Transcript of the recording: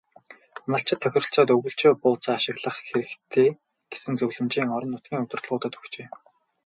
Малчид тохиролцоод өвөлжөө бууцаа ашиглах хэрэгтэй гэсэн зөвлөмжийг орон нутгийн удирдлагуудад өгчээ.